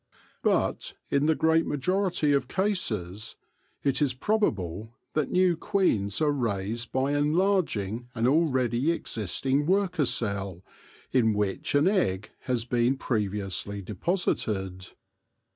But, in the great majority of cases, it is probable that new queens are raised by enlarging an already existing worker cell, in which an egg has been previously deposited.